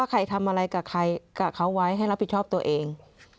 ใครทำอะไรกับใครกับเขาไว้ให้รับผิดชอบตัวเอง